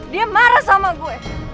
dia marah sama gue